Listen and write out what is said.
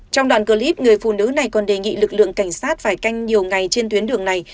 trong đoạn clip người phụ nữ này còn đề nghị lực lượng cảnh sát phải canh nhiều ngày trên tuyến đường này